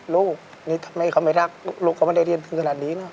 ลูกนี่ทำไมเขาไม่รักลูกเขาไม่ได้เรียนถึงขนาดนี้นะ